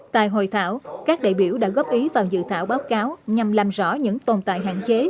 tại hội thảo các đại biểu đã góp ý vào dự thảo báo cáo nhằm làm rõ những tồn tại hạn chế